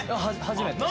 初めて。